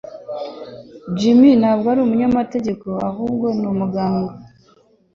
Jim ntabwo ari umunyamategeko ahubwo ni umuganga